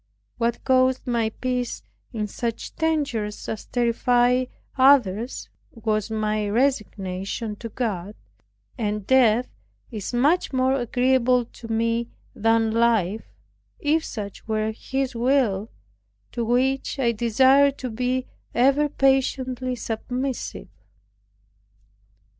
What caused my peace in such dangers as terrify others, was my resignation to God, and because death is much more agreeable to me than life, if such were His will, to which I desire to be ever patiently submissive.